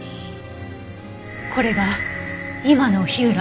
これが今の火浦義正。